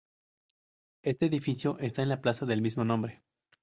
Este edificio está en la plaza del mismo nombre.